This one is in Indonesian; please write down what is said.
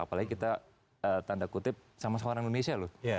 apalagi kita tanda kutip sama seorang indonesia loh